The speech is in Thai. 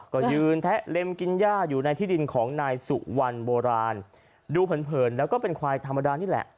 ก็ยืนแทะเล็มกินย่าอยู่ในที่ดินของนายสุวรรณโบราณดูเผินเผินแล้วก็เป็นควายธรรมดานี่แหละ